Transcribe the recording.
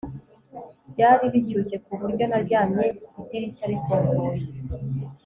Byari bishyushye kuburyo naryamye idirishya rifunguye